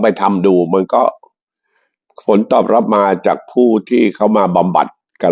ไปทำดูมันก็ผลตอบรับมาจากผู้ที่เขามาบำบัดกับ